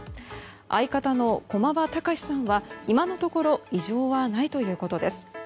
相方の駒場孝さんは今のところ異常はないということです。